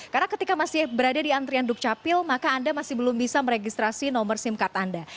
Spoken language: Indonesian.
karena ketika masih berada di antrian dukcapil maka anda masih belum bisa meregistrasi nomor sim card anda